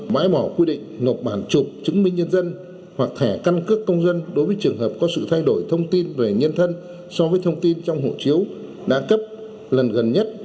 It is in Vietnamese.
bãi bỏ quy định nộp bản chụp chứng minh nhân dân hoặc thẻ căn cước công dân đối với trường hợp có sự thay đổi thông tin về nhân thân so với thông tin trong hộ chiếu đa cấp lần gần nhất